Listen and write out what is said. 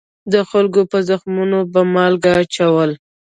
د خلکو په زخمونو به مالګې اچول.